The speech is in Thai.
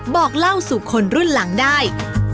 บอกเล่าสู่คนรุ่นหลังได้